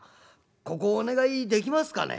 ここをお願いできますかね？」。